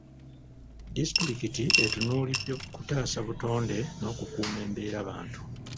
Disitulikiti etunuulidde kutaasa butonde n'okukuuma embeerabantu.